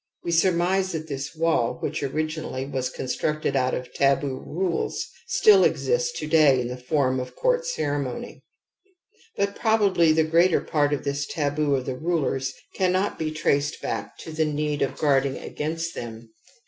We surmise that:^tl)ia3a^ which originally was constructed .. out of taboo rules, still exists tp^^ay: hitjie fiaim_ xuf^'^ But probably the greater part of this taboo of / the rulers cannot be traced back to the need of I guarding against them.